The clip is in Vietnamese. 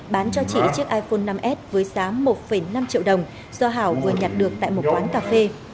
bán cho chị chiếc iphone năm s với giá một năm triệu đồng do hảo vừa nhặt được tại một quán cà phê